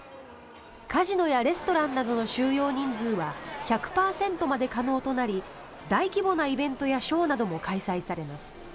カジノやレストランなどの収容人数は１００％まで可能となり大規模なイベントやショーなども開催されます。